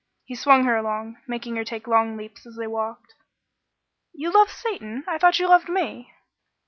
He swung her along, making her take long leaps as they walked. "You love Satan? I thought you loved me!"